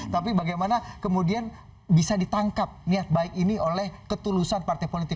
tapi bagaimana kemudian bisa ditangkap niat baik ini oleh ketulusan partai politik